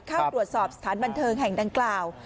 เข้าตรวจสอบสถานบันเทิงแห่งดังกล่าว